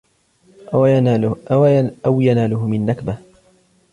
أَوْ يَنَالُهُ مِنْ نَكْبَةٍ